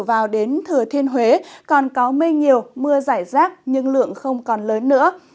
trở vào đến thừa thiên huế còn có mây nhiều mưa giải rác nhưng lượng không còn lớn nữa